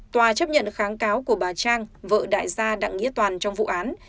tòa chấp nhận kháng cáo của bà trang vợ đại gia đặng nghĩa toàn trong vụ án